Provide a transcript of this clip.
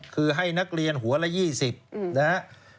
คือให้นักเรียนหัวละ๒๐บาท